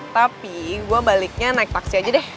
tapi gue baliknya naik taksi aja deh